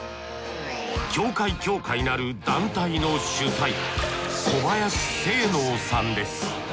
境界協会なる団体の主宰小林政能さんです。